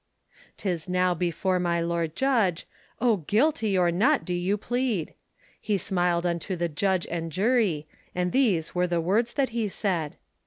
'Tis now before my lord judge, Oh! guilty or not do you plead; He smiled unto the judge and jury, And these were the words that he said.